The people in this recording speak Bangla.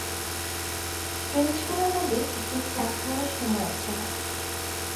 ট্রেন ছাড়ার আগে একটু চা খাওয়ার সময় আছে হাতে।